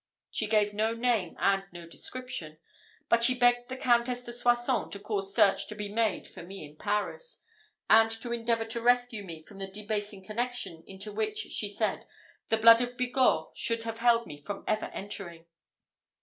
She gave no name and no description; but she begged the Countess de Soissons to cause search to be made for me in Paris, and to endeavour to rescue me from the debasing connection into which, she said, the blood of Bigorre should have held me from ever entering.